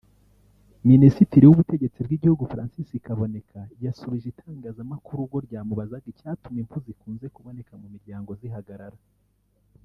Minisitiri w’Ubutegetsi bw’igihugu Francis Kaboneka yasubije itangazamakuru ubwo ryamubazaga icyatuma impfu zikunze kuboneka mu miryango zihagarara